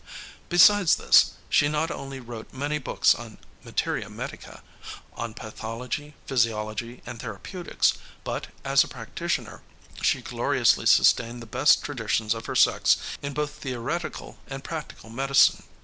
Besides this, she not only wrote many books on materia medica, on pathology, physiology and therapeutics, but, as a practitioner, she gloriously sustained the best traditions of her sex in both theoretical and practical medicine.